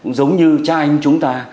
giống như cha anh chúng ta